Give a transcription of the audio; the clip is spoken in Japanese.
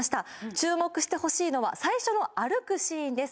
「注目してほしいのは最初の歩くシーンです」